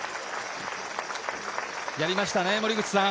やりましたね、森口さん。